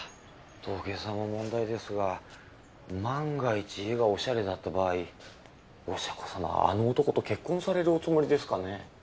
土下座も問題ですが万が一家がおしゃれだった場合おしゃ子様はあの男と結婚されるおつもりですかね？